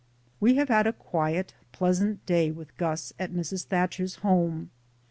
We have had a quiet, pleasant day with Gus at Mrs. Thatcher's home.